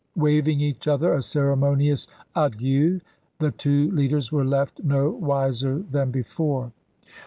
Waving each other a ceremonious adieu the two leaders were left no wiser than before.